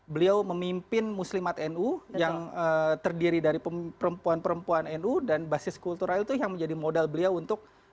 beliau memimpin muslimat nu yang terdiri dari perempuan perempuan nu dan basis kultural itu yang menjadi modal beliau untuk